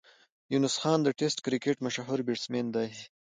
یونس خان د ټېسټ کرکټ مشر بېټسمېن دئ.